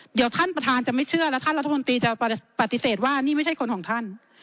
เดี๋ยวท่านประธานจะไม่เชื่อแล้วท่านรัฐมนตรีจะปฏิเสธว่านี่ไม่ใช่คนของท่าน